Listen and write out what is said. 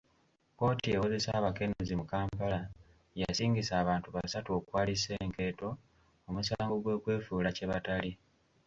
kkooti ewozesa abakenuzi mu Kampala yasingisa abantu basatu okwali Senkeeto, omusango gw'okwefuula kye batali.